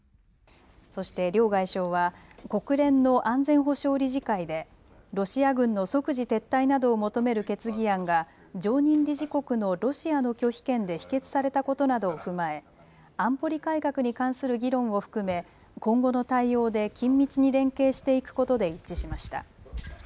そして両外相は国連の安全保障理事会でロシア軍の即時撤退などを求める決議案が常任理事国のロシアの拒否権で否決されたことなどを踏まえ安保理改革に関する議論を含め今後の対応で緊密に連携していくことで一致しました。